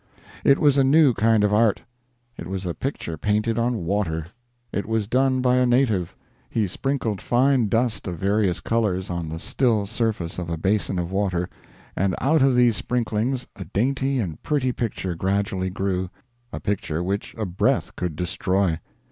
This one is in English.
It was a new kind of art. It was a picture painted on water. It was done by a native. He sprinkled fine dust of various colors on the still surface of a basin of water, and out of these sprinklings a dainty and pretty picture gradually grew, a picture which a breath could destroy.